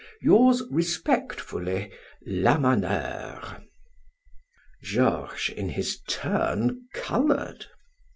"Yours respectfully," "LAMANEUR." Georges, in his turn, colored.